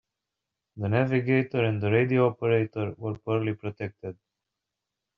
The navigator and the radio operator were poorly protected.